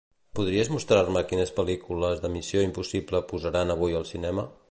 Podries mostrar-me quines pel·lícules de "Missió impossible" posaran avui al cinema?